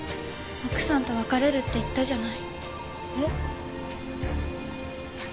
奥さんと別れるって言ったじゃない！